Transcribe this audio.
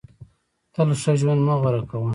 تل ښه ژوند مه غوره کوه.